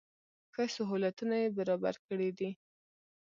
ښه سهولتونه یې برابر کړي دي.